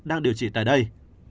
đang điều trị tại đây